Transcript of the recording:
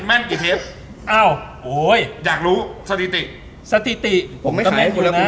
มันถามแบบนี้ดีกว่า